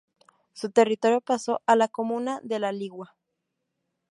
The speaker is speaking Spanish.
Su territorio pasó a la comuna de La Ligua.